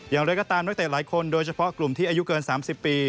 อย่างไรก็ตามนักเตะหลายคนโดยเฉพาะกลุ่มที่อายุเกิน๓๐ปี